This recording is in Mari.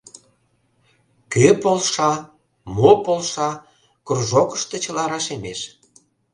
Кӧ полша, мо полша — кружокышто чыла рашемеш.